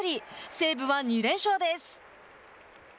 西武は２連勝です。